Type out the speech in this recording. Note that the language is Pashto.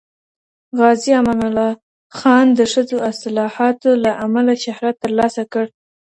غازي امان الله خان د ښځو اصلاحاتو له امله شهرت ترلاسه کړ.